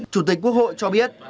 chủ tịch quốc hội cho biết